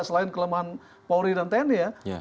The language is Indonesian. selain kelemahan pauli dan teni ya